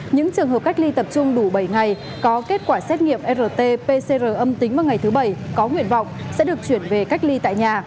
những trường hợp cách ly tập trung đủ bảy ngày có kết quả xét nghiệm rt pcr âm tính vào ngày thứ bảy có nguyện vọng sẽ được chuyển về cách ly tại nhà